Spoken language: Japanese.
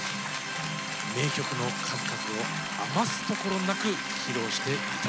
名曲の数々を余すところなく披露して頂きましょう。